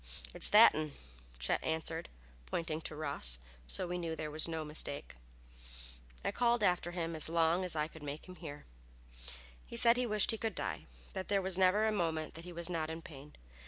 "It's that 'un," Chet answered, pointing to Ross, so we knew there was no mistake. I called after him as long as I could make him hear. He said he wished he could die, that there was never a moment that he was not in pain.